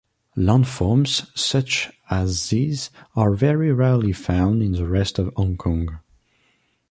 Landforms such as these are very rarely found in the rest of Hong Kong.